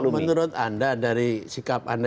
menurut anda dari sikap anda